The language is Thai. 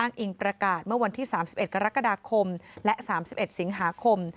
อิงประกาศเมื่อวันที่๓๑กรกฎาคมและ๓๑สิงหาคม